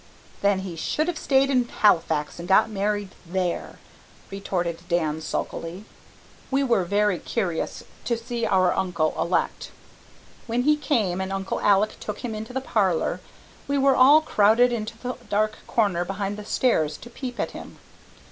"Then he should have stayed in Halifax and got married there," retorted Dan, sulkily. We were very curious to see our uncle elect. When he came and Uncle Alec took him into the parlour, we were all crowded into the dark corner behind the stairs to peep at him.